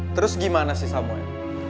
terus gimana sih sama ya